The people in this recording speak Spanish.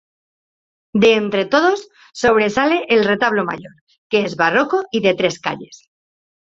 De entre todos sobresale el retablo mayor, que es barroco y de tres calles.